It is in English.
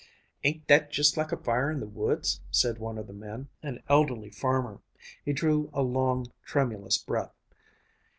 "Ain't that just like a fire in the woods?" said one of the men, an elderly farmer. He drew a long, tremulous breath.